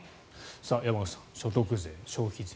山口さん所得税、消費税。